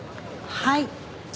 はい。